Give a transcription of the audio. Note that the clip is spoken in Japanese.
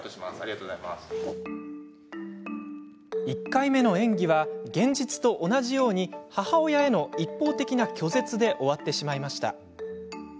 １回目の演技は現実と同じように母親への一方的な拒絶で終わってしまいました。